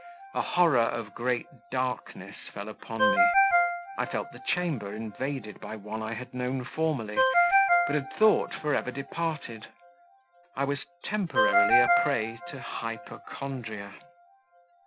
A horror of great darkness fell upon me; I felt my chamber invaded by one I had known formerly, but had thought for ever departed. I was temporarily a prey to hypochondria.